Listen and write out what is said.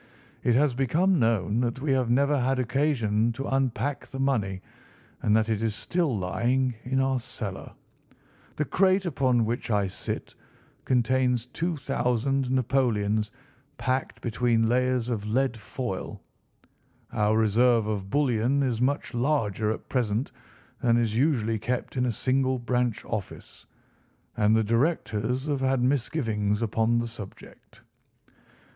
It has become known that we have never had occasion to unpack the money, and that it is still lying in our cellar. The crate upon which I sit contains 2,000 napoleons packed between layers of lead foil. Our reserve of bullion is much larger at present than is usually kept in a single branch office, and the directors have had misgivings upon the subject."